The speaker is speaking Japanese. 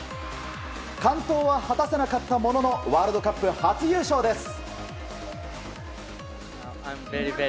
完登は果たせなかったもののワールドカップ初優勝です。